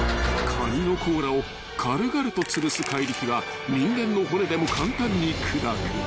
［カニの甲羅を軽々とつぶす怪力は人間の骨でも簡単に砕く］